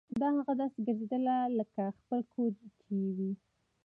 داه اغه داسې ګرځېدله لکه خپل کور چې يې وي.